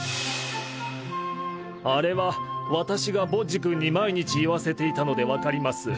あれは私がボッジ君に毎日言わせていたので分かります。